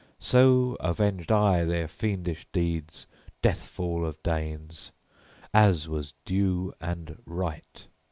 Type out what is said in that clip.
So avenged I their fiendish deeds death fall of Danes, as was due and right.